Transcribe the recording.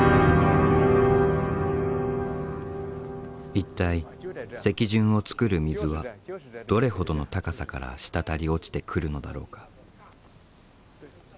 一体石筍をつくる水はどれほどの高さから滴り落ちてくるのだろうか。